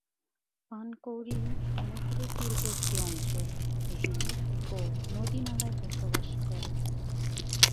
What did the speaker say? পানকৌড়ি সমুদ্রতীরবর্তী অঞ্চল, হ্রদ ও নদীনালায় বসবাস করে।